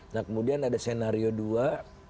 nah kemudian ada senario dua